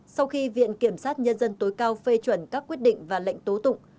sau khi viện kiểm sát nhân dân tối cao phê chuẩn các quyết định và lệnh tố tụng